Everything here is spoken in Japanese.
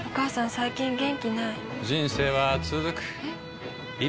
最近元気ない人生はつづくえ？